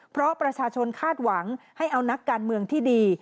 เพราะประชาชนคาดหวังให้เอานักการเมืองที่ดี